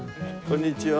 こんにちは。